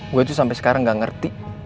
gue tuh sampai sekarang gak ngerti